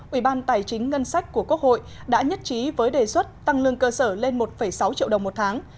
ủy ban tài chính ngân sách của quốc hội đã nhất trí với đề xuất tăng lương cơ sở lên một sáu triệu đồng một tháng